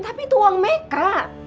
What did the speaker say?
tapi itu uang mereka